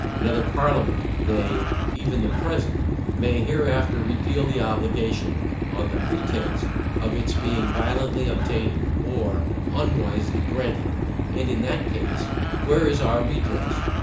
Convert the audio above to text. Another parliament, nay, even the present, may hereafter repeal the obligation, on the pretence, of its being violently obtained, or unwisely granted; and in that case, Where is our redress?